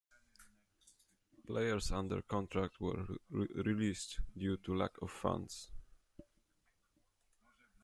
Players under contract were released due to lack of funds.